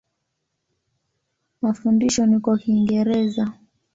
Mafundisho ni kwa Kiingereza.